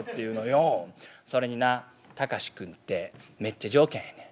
「それになタカシ君ってめっちゃ条件ええねん。